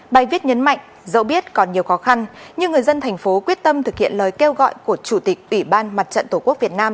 bài viết nhấn mạnh dẫu biết còn nhiều khó khăn nhưng người dân thành phố quyết tâm thực hiện lời kêu gọi của chủ tịch ủy ban mặt trận tổ quốc việt nam